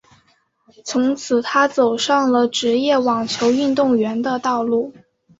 从此她走上了职业网球运动员的道路。